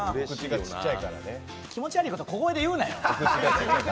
気持ち悪いこと小声で言うなよ。